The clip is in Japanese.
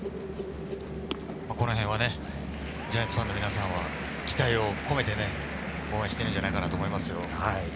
ジャイアンツファンの皆さんは期待を込めて応援しているんじゃないかと思います。